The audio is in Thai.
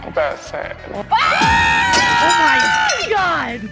ทำไมถ้าทำเสียง